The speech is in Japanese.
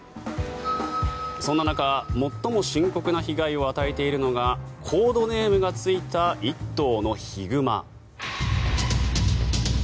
そんな中、最も深刻な被害を与えているのがコードネームがついた１頭のヒグマ。